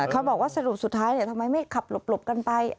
เขาบอกว่าสรุปสุดท้ายทำไมไม่ขับหลบกันไป